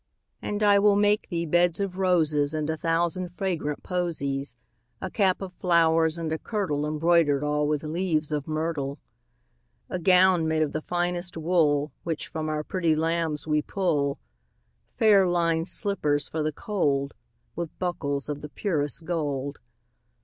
And I will make thee beds of roses And a thousand fragrant posies; 10 A cap of flowers, and a kirtle Embroider'd all with leaves of myrtle. A gown made of the finest wool Which from our pretty lambs we pull; Fair linèd slippers for the cold, 15 With buckles of the purest gold.